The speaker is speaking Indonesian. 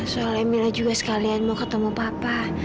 soalnya mila juga sekalian mau ketemu papa